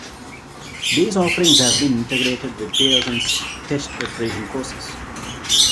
These offerings have been integrated with Peterson's test preparation courses.